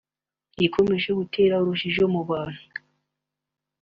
Igikomeje gutera urujijo mu bantu